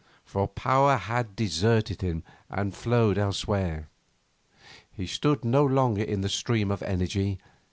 For power had deserted him and flowed elsewhere. He stood no longer in the stream of energy.